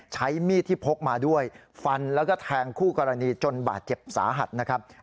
ใช้มีดที่พกมาด้วยฟันแล้วก็แทงคู่กรณีจนบาดเจ็บสาหัสนะครับ